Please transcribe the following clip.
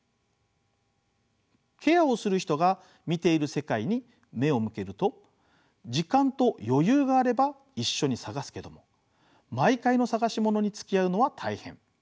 ケアをする人が見ている世界に目を向けると時間と余裕があれば一緒に探すけども毎回の探し物に付き合うのは大変。